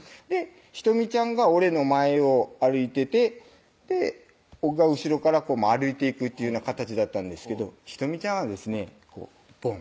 仁美ちゃんが俺の前を歩いてて僕が後ろから歩いていくっていうような形だったんですけど仁美ちゃんはですねボン